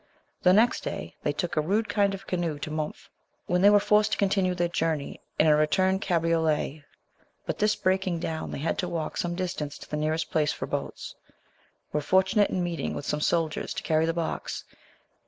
The next day they took a rude kind of canoe to Mumph, when they were forced to continue their journey in a return cabriolet; but this breaking down, they had to walk some distance to the nearest place for boats, and were fortunate in meeting with some soldiers to carry their box.